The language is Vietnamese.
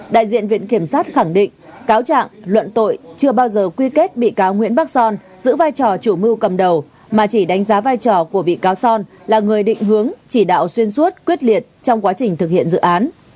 đại diện viện kiểm sát khẳng định cáo trạng luận tội chưa bao giờ quy kết bị cáo nguyễn bắc son giữ vai trò chủ mưu cầm đầu mà chỉ đánh giá vai trò của bị cáo son là người định hướng chỉ đạo xuyên suốt quyết liệt trong quá trình thực hiện dự án